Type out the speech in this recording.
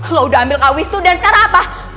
kalau udah ambil kawis tuh dan sekarang apa